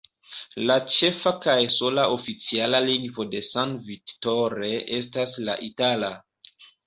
La ĉefa kaj sola oficiala lingvo de San Vittore estas la itala.